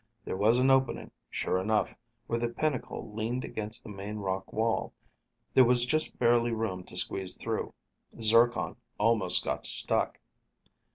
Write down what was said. There was an opening, sure enough, where the pinnacle leaned against the main rock wall. There was just barely room to squeeze through. Zircon almost got stuck.